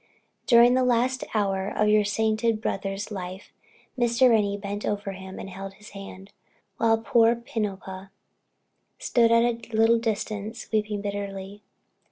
During the last hour of your sainted brother's life, Mr. Ranney bent over him and held his hand; while poor Pinapah stood at a little distance weeping bitterly.